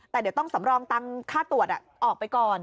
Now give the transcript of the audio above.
แต่เดี๋ยวต้องสำรองตังค่าตรวจออกไปก่อน